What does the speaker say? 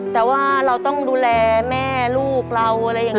แต่ว่าเราต้องดูแลแม่ลูกเราอะไรอย่างนี้